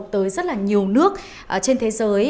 tới rất là nhiều nước trên thế giới